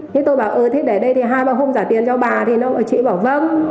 thế tôi bảo ừ thế để đây thì hai ba hôm giả tiền cho bà thì chị bảo vâng